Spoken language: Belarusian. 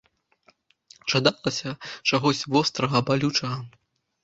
Жадалася чагось вострага, балючага.